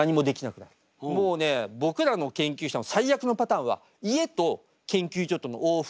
もうね僕らの研究者は最悪のパターンは家と研究所との往復。